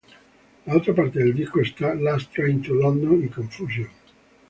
En otra parte del disco está "Last Train to London" y "Confusion".